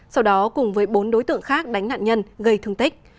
sau đó cùng với bốn đối tượng khác đánh nạn nhân gây thương tích